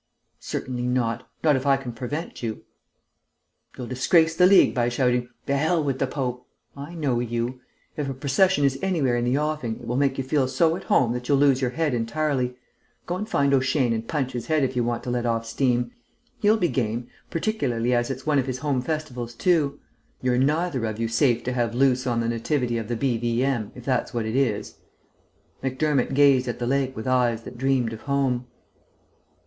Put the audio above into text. "Certainly not. Not if I can prevent you. You'll disgrace the League by shouting: 'To hell with the Pope.' I know you. If a procession is anywhere in the offing, it will make you feel so at home that you'll lose your head entirely. Go and find O'Shane and punch his head if you want to let off steam. He'll be game, particularly as it's one of his home festivals too. You're neither of you safe to have loose on the Nativity of the B.V.M., if that's what it is." Macdermott gazed at the lake with eyes that dreamed of home.